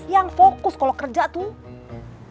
yang fokus kalau kerja tuh